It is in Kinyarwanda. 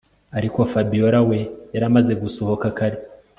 Ariko Fabiora we yari yamaze gusohoka kare